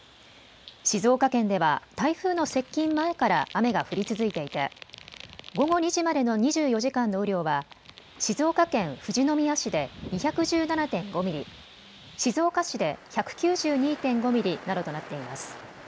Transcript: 静岡県では台風の接近前から雨が降り続いていて午後２時までの２４時間の雨量は静岡県富士宮市で２１７．５ミリ、静岡市で１９２．５ミリなどとなっています。